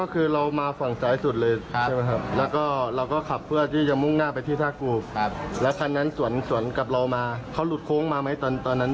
มืดมากเลยแล้วเรายังไม่เห็นเหตุการณ์ว่ามันเกิดอะไรขึ้นครับ